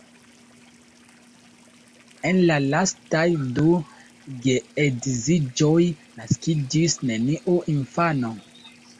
En la lastaj du geedziĝoj naskiĝis neniu infano.